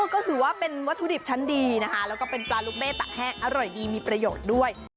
ก็ถือว่าเป็นวัตถุดิบชั้นดีนะคะแล้วก็เป็นปลาลูกเบ้ตักแห้งอร่อยดีมีประโยชน์ด้วย